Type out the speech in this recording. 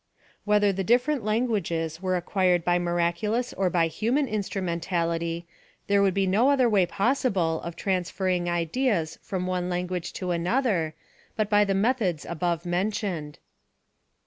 Whether the different languages were acquired by miraculous or by human instrumental ity, there would be no other way possible of trans ferring ideas from one language to another, but by the methods above mentioned.